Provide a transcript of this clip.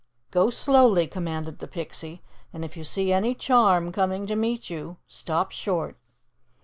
"Go slowly," commanded the Pixie. "And if you see any charm coming to meet you, stop short."